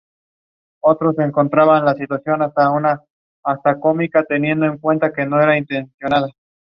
The Liberal Party was defending one seat.